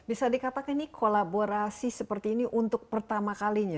bisa dikatakan ini kolaborasi seperti ini untuk pertama kalinya